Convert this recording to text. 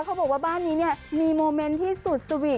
เขาบอกว่าบ้านนี้เนี่ยมีโมเมนต์ที่สุดสวีท